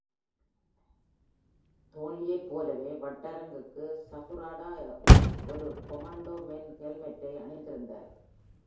தோர்ன்லியைப் போலவே, வட்டரங்கிற்கு சகுராடா ஒரு கெண்டோ மென் ஹெல்மெட்டை அணிந்திருந்தார்.